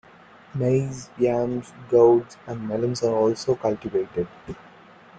Maize, yams, gourds and melons are also cultivated.